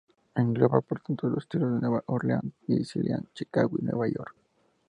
Engloba, por tanto, los estilos Nueva Orleans, Dixieland, Chicago, y Nueva York.